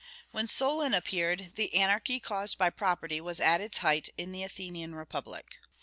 When Solon appeared, the anarchy caused by property was at its height in the Athenian republic.